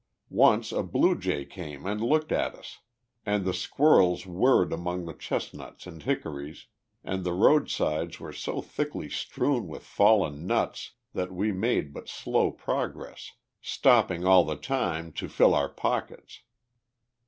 Once a blue jay came and looked at us, and the squirrels whirred among the chestnuts and hickories, and the roadsides were so thickly strewn with fallen nuts that we made but slow progress, stopping all the time to fill our pockets.